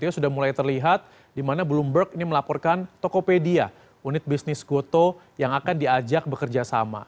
sudah mulai terlihat di mana bloomberg ini melaporkan tokopedia unit bisnis goto yang akan diajak bekerja sama